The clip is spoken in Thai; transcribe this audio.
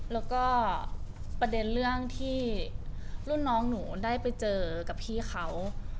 แล้วก็ประเด็นเรื่องที่รุ่นน้องหนูได้ไปเจอกับพี่เขา